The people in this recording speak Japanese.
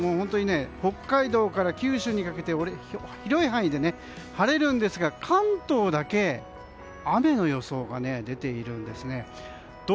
北海道から九州にかけて広い範囲で晴れるんですが関東だけ雨の予想が出ているんですね。